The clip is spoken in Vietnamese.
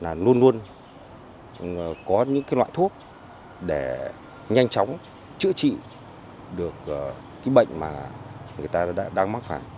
là luôn luôn có những loại thuốc để nhanh chóng chữa trị được cái bệnh mà người ta đang mắc phải